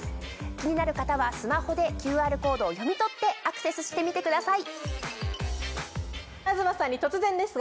気になる方はスマホでＱＲコードを読み取ってアクセスしてみてください。